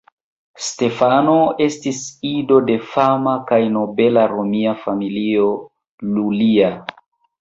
Stefano estis ido de fama kaj nobela romia familio "Iulia".